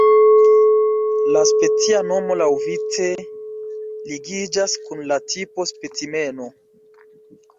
La specia nomo laŭvice ligiĝas kun la tipo-specimeno.